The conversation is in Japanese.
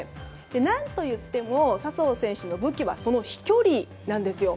何といっても笹生選手の武器はその飛距離なんですよ。